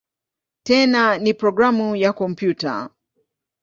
Tena ni programu ya kompyuta.